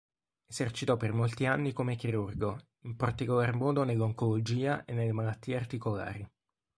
Esercitò per molti anni come chirurgo, in particolar modo nell'oncologia e nelle malattie articolari.